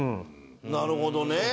なるほどね！